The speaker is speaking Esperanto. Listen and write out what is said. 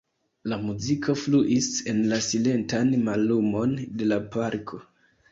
La muziko fluis en la silentan mallumon de la parko.